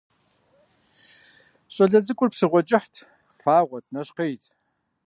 ЩӀалэ цӀыкӀур псыгъуэ кӀыхьт, фагъуэт, нэщхъейт.